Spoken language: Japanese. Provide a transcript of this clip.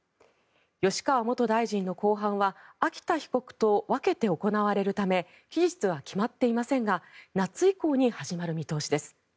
吉川元大臣の公判は秋田被告と分けて行われるため期日は決まっていませんが夏以降に始まる見通しです。